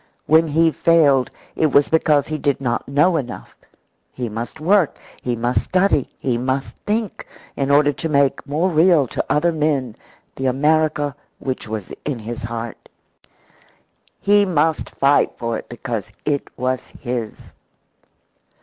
When he failed, it was because he did not know enough; he must work, he must study, he must think, in order to make more real to other men the America which was in his heart. He must fight for it because it was his.